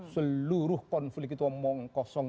seluruh konflik itu kosong